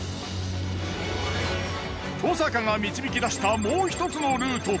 登坂が導き出したもうひとつのルート。